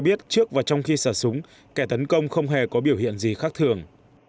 biết trước và trong khi xả súng kẻ tấn công không hề có biểu hiện gì khác thường